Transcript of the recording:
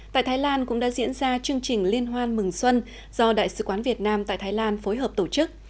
tại thái lan cũng đã diễn ra chương trình liên hoan mừng xuân do đại sứ quán việt nam tại thái lan phối hợp tổ chức